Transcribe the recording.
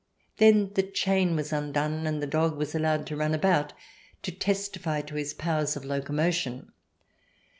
Then the chain was undone, and the dog was allowed to run about to testify to his powers of locomotion.